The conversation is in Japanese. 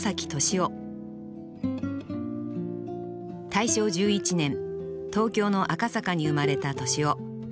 大正１１年東京の赤坂に生まれた敏郎。